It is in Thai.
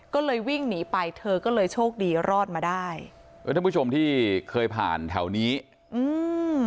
ก็เลยวิ่งหนีไปเธอก็เลยโชคดีรอดมาได้เออท่านผู้ชมที่เคยผ่านแถวนี้อืม